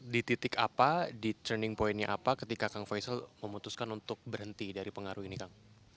di titik apa di turning pointnya apa ketika kang faisal memutuskan untuk berhenti dari pengaruh ini kang